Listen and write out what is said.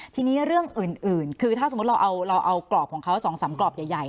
ทีนี้เรื่องอื่นอื่นคือถ้าสมมุติเราเอาเราเอากรอบของเขาสองสำกรอบใหญ่